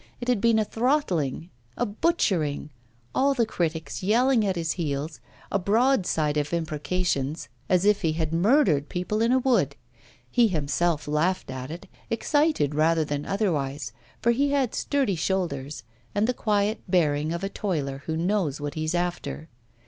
It had been a throttling, a butchering, all the critics yelling at his heels, a broadside of imprecations, as if he had murdered people in a wood. He himself laughed at it, excited rather than otherwise, for he had sturdy shoulders and the quiet bearing of a toiler who knows what he's after.